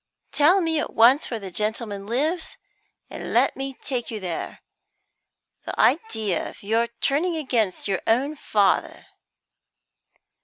Tell me at once where the gentleman lives, and let me take you there. The idea of your turning against your own father!"